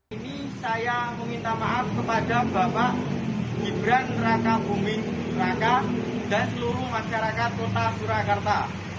ini saya meminta maaf kepada bapak gibran raka buming raka dan seluruh masyarakat kota surakarta